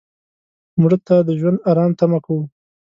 مړه ته د ژوند آرام تمه کوو